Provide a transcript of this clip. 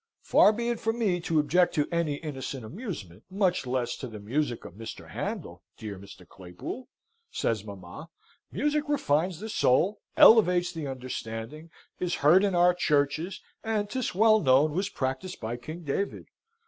"Far be it from me to object to any innocent amusement, much less to the music of Mr. Handel, dear Mr. Claypool," says mamma. "Music refines the soul, elevates the understanding, is heard in our churches, and 'tis well known was practised by King David.